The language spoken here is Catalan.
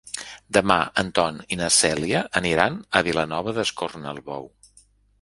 Demà en Ton i na Cèlia aniran a Vilanova d'Escornalbou.